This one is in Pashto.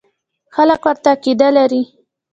خلک ورته عقیده لري.